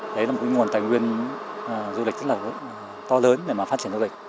đấy là một nguồn tài nguyên du lịch rất là to lớn để mà phát triển du lịch